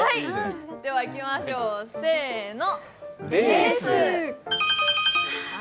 ではいきましょう、せーの。